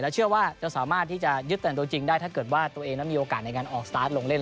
เชื่อว่าจะสามารถที่จะยึดแต่งตัวจริงได้ถ้าเกิดว่าตัวเองนั้นมีโอกาสในการออกสตาร์ทลงเล่น